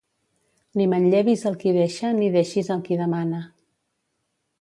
Ni manllevis al qui deixa ni deixis al qui demana.